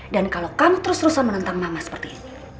dan kalau kamu terus terusan menentang mama seperti ini